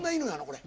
これ。